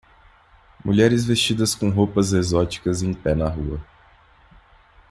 Mulheres vestidas com roupas exóticas em pé na rua